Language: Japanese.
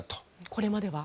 これまでは？